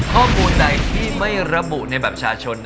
ข้อมูลใดที่ไม่ระบุใบแบบชาชน